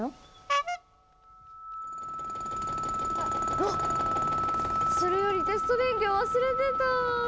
・あっそれよりテスト勉強忘れてた。